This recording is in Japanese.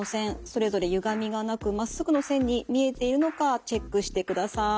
それぞれゆがみがなくまっすぐの線に見えているのかチェックしてください。